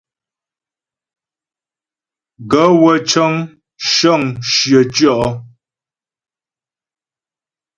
Gaə̂ wə́ cə́ŋ shə́ŋ shyə tyɔ̀.